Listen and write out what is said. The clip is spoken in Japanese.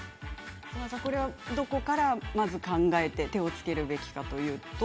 どこから考えて手をつけるべきだというと。